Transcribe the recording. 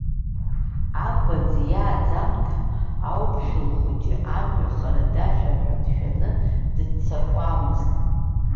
Абаӡӡеи иааӡамҭа ауԥшәыл хәыҷы амҩа хара дашәар ҳәа дшәаны, дыццакуамызт.